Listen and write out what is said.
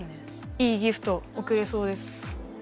いいギフト贈れそうです。